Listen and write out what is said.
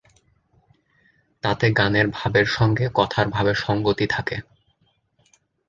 তাতে গানের ভাবের সঙ্গে কথার ভাবের সঙ্গতি থাকে।